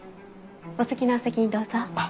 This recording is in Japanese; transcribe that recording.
お好きなお席にどうぞ。